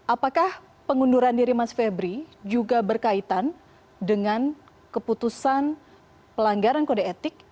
apakah pengunduran diri mas febri juga berkaitan dengan keputusan pelanggaran kode etik